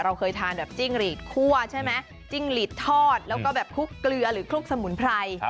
เคยทานแบบจิ้งหลีดคั่วใช่ไหมจิ้งหลีดทอดแล้วก็แบบคลุกเกลือหรือคลุกสมุนไพร